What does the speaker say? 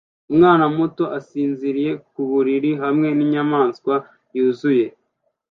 Umwana muto asinziriye ku buriri hamwe ninyamaswa yuzuye